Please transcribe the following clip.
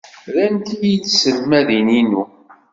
Rant-iyi tselmadin-inu.